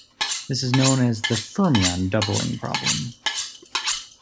This is known as the fermion doubling problem.